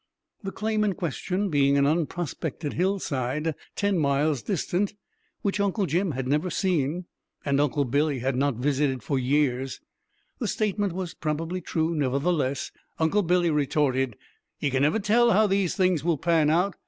The claim in question being an unprospected hillside ten miles distant, which Uncle Jim had never seen, and Uncle Billy had not visited for years, the statement was probably true; nevertheless, Uncle Billy retorted: "Ye kin never tell how these things will pan out.